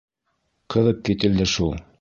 Ҡыҙып кителде шул.